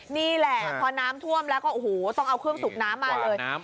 นี่แหละพอน้ำท่วมแล้วก็โอ้โหต้องเอาเครื่องสูบน้ำมาเลย